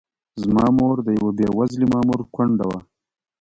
زما مور د یوه بې وزلي مامور کونډه وه.